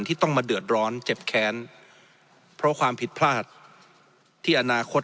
ที่ต้องมาเดือดร้อนเจ็บแค้นเพราะความผิดพลาดที่อนาคต